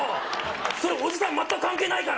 それ、おじさん、全く関係ないから。